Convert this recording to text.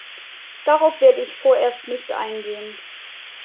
Darauf werde ich vorerst nicht eingehen.